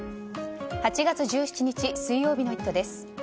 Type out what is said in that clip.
８月１７日水曜日の「イット！」です。